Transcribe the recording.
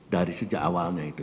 dari sejak awalnya itu